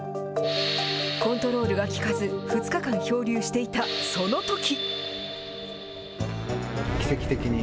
コントロールが利かず、２日間漂流していた、そのとき！